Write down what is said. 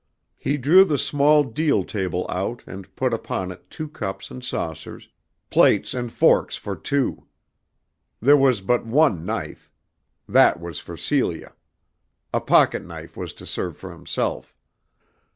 He drew the small deal table out and put upon it two cups and saucers, plates and forks for two. There was but one knife. That was for Celia. A pocket knife was to serve for himself.